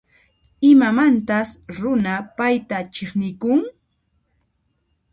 Imamantas runa payta chiqnikun?